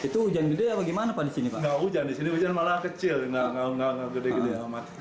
terdapat dua jam di dalam rumah